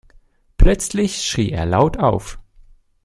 Plötzlich schrie er laut auf.